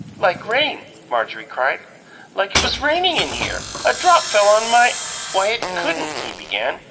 "Like rain!" Marjorie cried. "Like it was raining in here! A drop fell on my " "Why, it couldn't " he began.